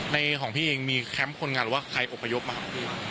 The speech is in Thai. ในของพี่เองมีแคมป์คนงานว่าใครอพยพมหาคุณ